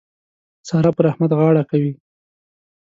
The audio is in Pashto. سارا پر احمد غاړه کوي.